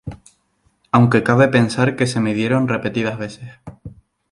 Aunque cabe pensar que se midieron repetidas veces.